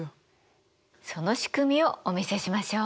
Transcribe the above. その仕組みをお見せしましょう。